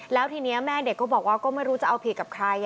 แล้วทีนี้แม่เด็กก็บอกว่าก็ไม่รู้จะเอาผิดกับใคร